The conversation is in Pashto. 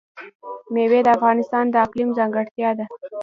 مېوې د افغانستان د اقلیم ځانګړتیا ده.